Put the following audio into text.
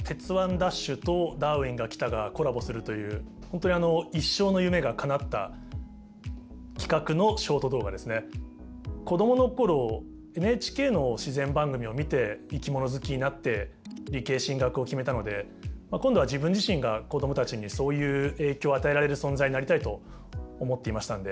ＤＡＳＨ！！」と「ダーウィンが来た！」がコラボするという本当に子供の頃ＮＨＫの自然番組を見て生き物好きになって理系進学を決めたので今度は自分自身が子供たちにそういう影響を与えられる存在になりたいと思っていましたので。